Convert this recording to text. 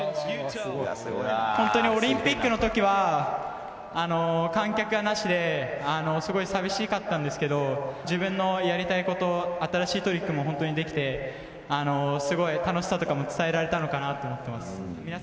本当にオリンピックのときは、観客はなしで、すごい寂しかったんですけど、自分のやりたいこと、新しいトリックも本当にできて、すごい楽しさとかも伝えられたのかなと思ってます。